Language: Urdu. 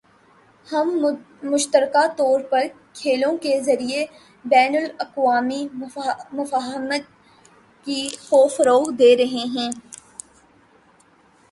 ہم مشترکہ طور پر کھیلوں کے ذریعے بین الاقوامی مفاہمت کو فروغ دے رہے ہیں